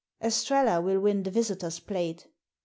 " Estrella will win the Visitors' Plate."